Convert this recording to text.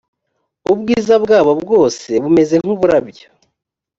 ubwiza bwabo bwose bumeze nk uburabyo